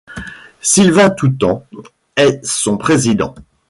Sylvain Toutant est son président.